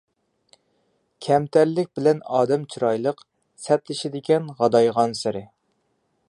كەمتەرلىك بىلەن ئادەم چىرايلىق، سەتلىشىدىكەن غادايغانسېرى.